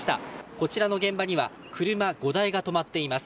こちらの現場には車５台が止まっています。